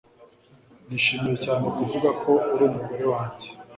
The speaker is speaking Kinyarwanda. nishimiye cyane kuvuga ko uri umugore wanjye